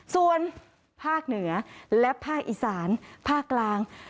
ส่วนภาคเหนือและภาคอีสานภาคกลาง